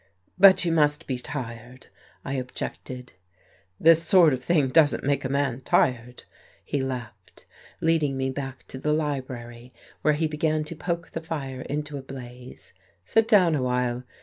"But you must be tired," I objected. "This sort of thing doesn't make a man tired," he laughed, leading me back to the library, where he began to poke the fire into a blaze. "Sit down awhile.